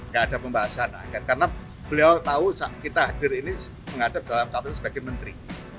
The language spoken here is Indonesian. gak ada pembahasan angket karena beliau tahu kita hadir ini menghadap dalam kasus sebagai menteri